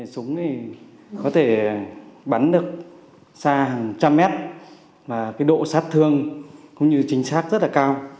súng thì có thể bắn được xa hàng trăm mét và độ sát thương cũng như chính xác rất là cao